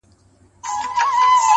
ورک له نورو ورک له ځانه-